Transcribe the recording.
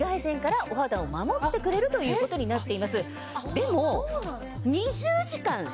でも。